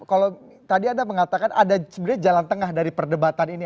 kalau tadi anda mengatakan ada sebenarnya jalan tengah dari perdebatan ini